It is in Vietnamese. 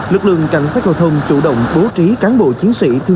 lực lượng cảnh sát giao thông chủ động bố trí cán bộ chiến sĩ